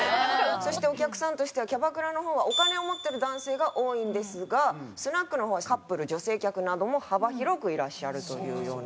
そしてお客さんとしてはキャバクラの方はお金を持ってる男性が多いんですがスナックの方はカップル女性客なども幅広くいらっしゃるというような。